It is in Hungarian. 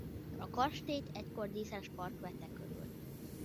A kastélyt egykor díszes park vette körül.